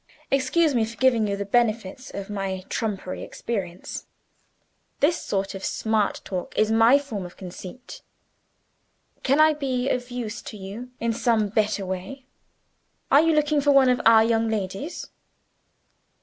Excuse me for giving you the benefit of my trumpery experience. This sort of smart talk is my form of conceit. Can I be of use to you in some better way? Are you looking for one of our young ladies?"